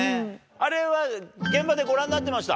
あれは、現場でご覧になってました？